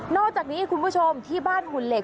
อกจากนี้คุณผู้ชมที่บ้านหุ่นเหล็